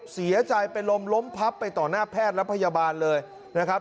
เสียใจเป็นลมล้มพับไปต่อหน้าแพทย์และพยาบาลเลยนะครับ